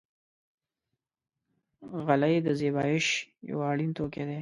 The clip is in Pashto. غلۍ د زېبایش یو اړین توکی دی.